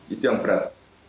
itu yang berat